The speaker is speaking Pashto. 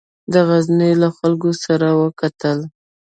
د غزني له خلکو سره وکتل.